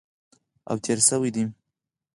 او تېر شوي دي